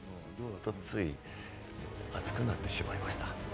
と、つい熱くなってしまいましたね。